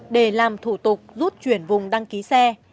để làm thủ tục rút chuyển vùng đăng ký xe